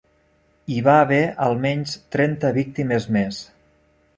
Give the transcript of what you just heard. Hi va haver almenys trenta víctimes més.